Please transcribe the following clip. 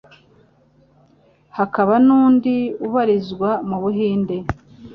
hakaba nundi ubarizwa mu Buhinde,